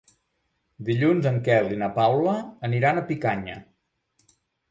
Dilluns en Quel i na Paula aniran a Picanya.